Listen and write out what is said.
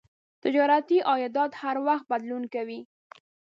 تجارتي عایدات هر وخت بدلون کوي.